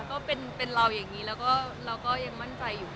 ก็เป็นเราอย่างนี้แล้วก็เราก็ยังมั่นใจอยู่